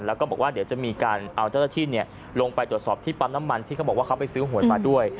แล้วก็บอกว่าเดี๋ยวจะมีการเอาเจ้าหน้าที่ลงไปตรวจสอบที่ปั๊มน้ำมันที่เขาบอกว่าเขาไปซื้อหวยมาด้วย